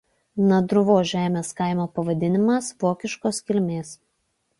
Nadruvos žemės kaimo pavadinimas vokiškos kilmės.